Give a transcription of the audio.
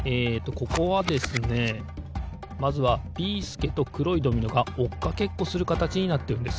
ここはですねまずはビーすけとくろいドミノがおっかけっこするかたちになってるんですよ。